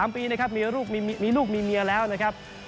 ๓ปีนะครับมีลูกมีลูกมีเมียแล้วนะครับ